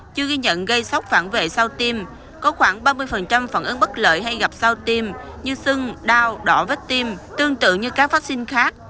chưa ghi nhận gây sóc phản vệ sau tim có khoảng ba mươi phản ứng bất lợi hay gặp sau tim như sưng đau đỏ vết tim tương tự như các vaccine khác